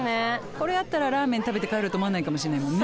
これあったらラーメン食べて帰ろうと思わないかもしれないもんね。